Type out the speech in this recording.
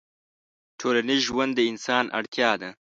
ټولنيز ژوند د انسان اړتيا ده